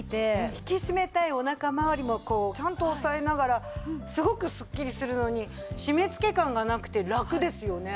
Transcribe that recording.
引き締めたいお腹まわりもちゃんとおさえながらすごくすっきりするのに締め付け感がなくてラクですよね。